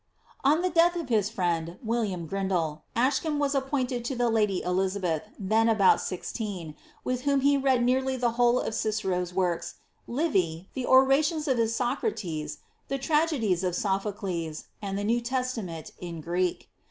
''* On the death of his friend, William Grindall, Ascham was appointed tutor to the Lady Elizabeth, then about sixteen, with whom he read nearly the whole of Cicero^s works, Livy, the orations of Isocrates, the tragedies of Sophocles, and the New Testament in Greek.